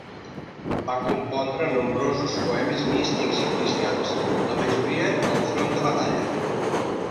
Va compondre nombrosos poemes místics i cristians, la majoria al front de batalla.